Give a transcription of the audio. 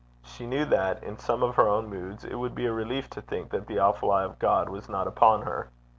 She knew that, in some of her own moods, it would be a relief to think that that awful eye of God was not upon her.